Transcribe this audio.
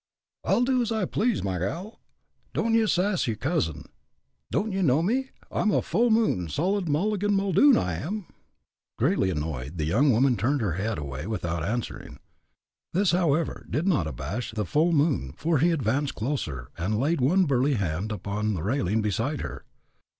"I'll do as I please, my gal; don't ye sass yer cuzzin. Don't ye know me? I'm a 'full moon' solid Mulligan Muldoon, I am." Greatly annoyed, the young woman turned her head away without answering. This, however, did not abash the "full moon," for he advanced closer, and laid one burly hand upon the railing beside her.